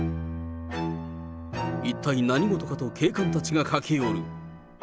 一体何事かと警官たちが駆け寄る。